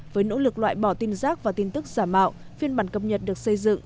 với nỗ lực loại bỏ tin rác và tin tức giả mạo phiên bản cập nhật được xây dựng